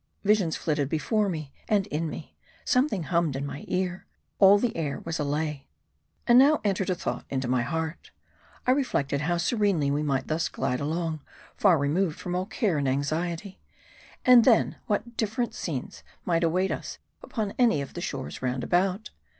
Visions flitted before me and in me ; something hummed in my ear ; all the air was a lay. And now entered a thought into my heart. I reflected how serenely we might thus glide along, far removed from all care and anxiety. And then, what different ~ scenes might await us upon any of the shores roundabout.